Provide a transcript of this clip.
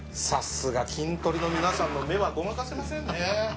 さすがキントリの皆さんの目はごまかせませんね。